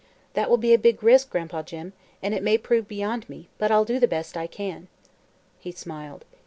"That will be a big task, Gran'pa Jim, and it may prove beyond me, but I'll do the best I can." He smiled.